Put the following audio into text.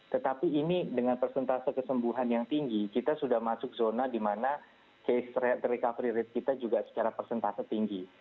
tetapi ini dengan persentase kesembuhan yang tinggi kita sudah masuk zona di mana case recovery rate kita juga secara persentase tinggi